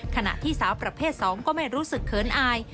ขณะที่สาวประเภท๒ก็ไม่รู้สึกเขินอาย